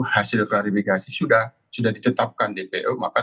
hasil klarifikasi sudah ditetapkan dpo